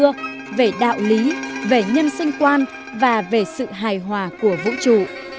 không chỉ đạo lý về nhân sinh quan và về sự hài hòa của vũ trụ